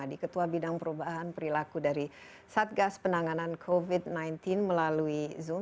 di ketua bidang perubahan perilaku dari satgas penanganan covid sembilan belas melalui zoom